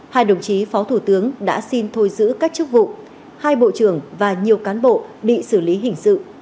hai đồng chí phó thủ tướng đã xin thôi giữ các chức vụ hai bộ trưởng và nhiều cán bộ bị xử lý hình sự